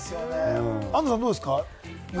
安藤さん、どうですか？